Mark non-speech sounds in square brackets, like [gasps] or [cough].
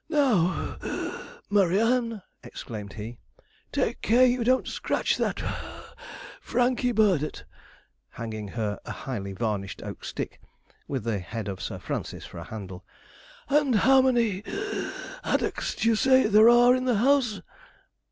'Now (puff), Murry Ann!' exclaimed he; 'take care you don't scratch that (puff) Franky Burdett,' handing her a highly varnished oak stick, with the head of Sir Francis for a handle; 'and how many [gasps] haddocks d'ye say there are in the house?'